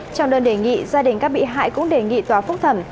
trong đơn đề nghị gia đình các bị hại cũng đề nghị tòa phúc thẩm